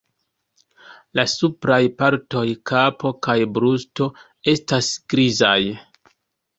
La supraj partoj, kapo kaj brusto estas grizaj.